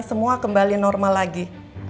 semua kembali normal lagi